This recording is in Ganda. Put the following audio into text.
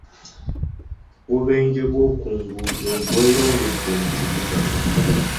Obubenje bw'oku nguudo bweyongedde mu kibuga.